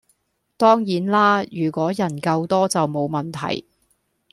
當然啦如果人夠多就冇問題